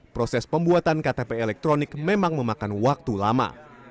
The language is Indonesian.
proses pembuatan ktp elektronik memang memakan waktu lama